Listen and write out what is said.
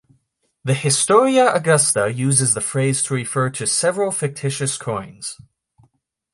The Historia Augusta uses the phrase to refer to several fictitious coins.